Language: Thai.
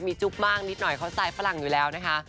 มีจุ๊บมากนิดหน่อยเขาสไตลฝรั่งอยู่แล้วนะคะ